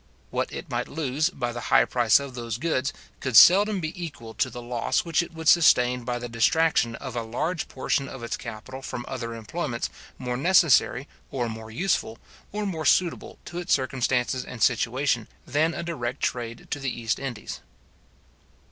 What it might lose by the high price of those goods, could seldom be equal to the loss which it would sustain by the distraction of a large portion of its capital from other employments more necessary, or more useful, or more suitable to its circumstances and situation, than a direct trade to the East Indies.